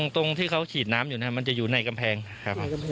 ตรงที่เขาฉีดน้ำอยู่มันจะอยู่ในกำแพงครับ